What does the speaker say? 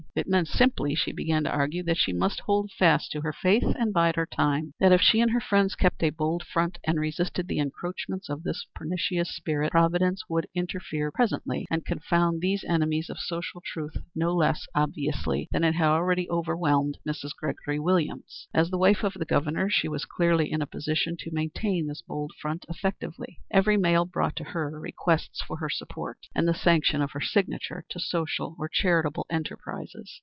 It meant simply she began to argue that she must hold fast to her faith and bide her time. That if she and her friends kept a bold front and resisted the encroachments of this pernicious spirit, Providence would interfere presently and confound these enemies of social truth no less obviously than it had already overwhelmed Mrs. Gregory Williams. As the wife of the Governor, she was clearly in a position to maintain this bold front effectively. Every mail brought to her requests for her support, and the sanction of her signature to social or charitable enterprises.